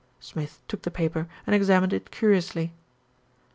Smith took the paper and examined it curiously.